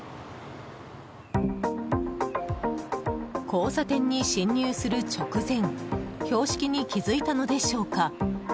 交差点に進入する直前標識に気づいたのでしょうか。